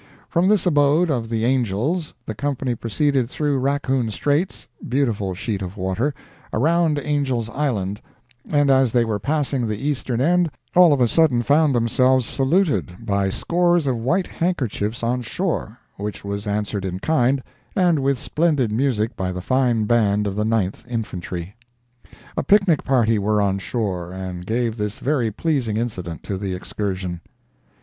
From this abode of the Angels the company proceeded through Raccoon Straits—beautiful sheet of water—around Angels' Island, and as they were passing the eastern end, all of a sudden found themselves saluted by scores of white handkerchiefs on shore, which was answered in kind, and with splendid music by the fine band of the Ninth infantry. A picnic party were on shore, and gave this very pleasing incident to the excursion.